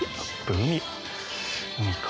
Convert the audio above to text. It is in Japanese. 海か。